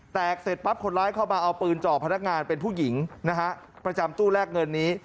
เสร็จปั๊บคนร้ายเข้ามาเอาปืนจ่อพนักงานเป็นผู้หญิงนะฮะประจำตู้แลกเงินนี้